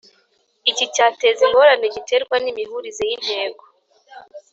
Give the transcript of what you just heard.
Iki cyateza ingorane giterwa n imihurize y intego